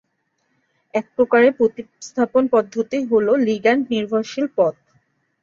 এক প্রকারের প্রতিস্থাপন পদ্ধতি হল লিগ্যান্ড নির্ভরশীল পথ।